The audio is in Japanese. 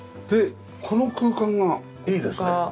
でこの空間がいいですね。